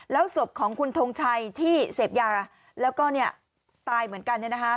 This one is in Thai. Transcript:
แล้วศพของคุณทงชัยที่เสพยาแล้วก็ตายเหมือนกัน